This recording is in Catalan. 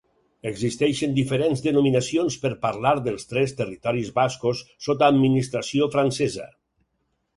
Existeixen diferents denominacions per parlar dels tres territoris bascos sota administració francesa.